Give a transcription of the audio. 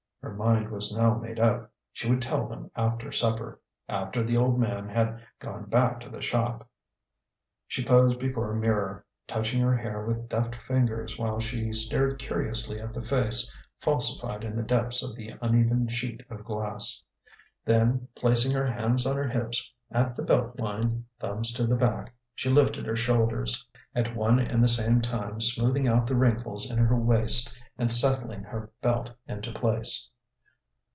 Her mind was now made up: she would tell them after supper after the Old Man had gone back to the shop. She posed before a mirror, touching her hair with deft fingers while she stared curiously at the face falsified in the depths of the uneven sheet of glass. Then placing her hands on her hips, at the belt line, thumbs to the back, she lifted her shoulders, at one and the same time smoothing out the wrinkles in her waist and settling her belt into place.